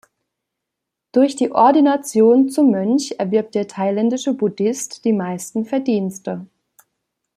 Durch die Ordination zum Mönch erwirbt der thailändische Buddhist die meisten Verdienste.